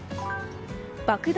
爆弾